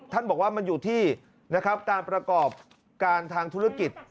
ท่านบอกว่ามันอยู่ที่นะครับการประกอบการทางธุรกิจ